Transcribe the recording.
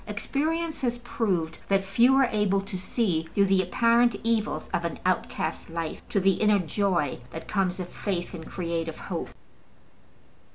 Experience has proved that few are able to see through the apparent evils of an outcast's life to the inner joy that comes of faith and creative hope.